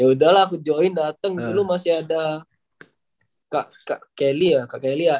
ya udahlah aku join dateng dulu masih ada kak kelly ya